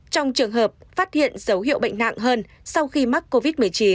trong trường hợp phát hiện dấu hiệu bệnh nặng hơn sau khi mắc covid một mươi chín